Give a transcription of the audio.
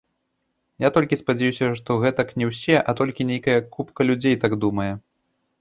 Я толькі спадзяюся, што гэтак не ўсе, а толькі нейкая купка людзей так думае.